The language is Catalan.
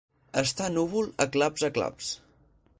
Està núvol a claps a claps.